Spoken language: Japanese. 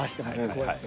こうやって。